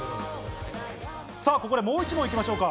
ここでもう１問行きましょうか。